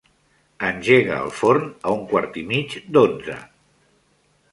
Engega el forn a un quart i mig d'onze.